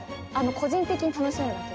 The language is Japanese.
個人的に楽しむだけ。